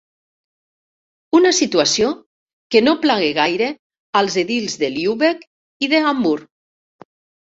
Una situació que no plagué gaire als edils de Lübeck i d'Hamburg.